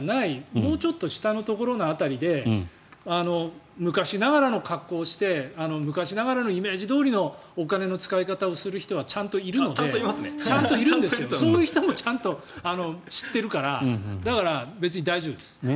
もうちょっと下のところの辺りで昔ながらの格好をして昔ながらのイメージどおりのお金の使い方をする人はちゃんといるのでそういう人もちゃんと知っているからだから、別に大丈夫です。